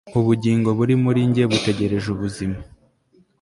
ubugingo buri muri njye, butegereje ubuzima